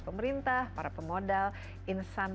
pemerintah para pemodal insan